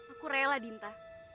aku rela dinta